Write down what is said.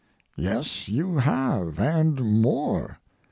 Yes, you have—and more.